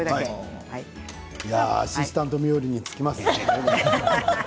アシスタント冥利に尽きます。